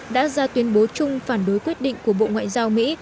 đã ra tuyên bố chung phản đối quyết định của bộ ngoại giao mỹ